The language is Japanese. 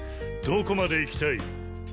どこまで行きたい？